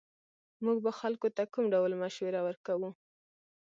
موږ به خلکو ته کوم ډول مشوره ورکوو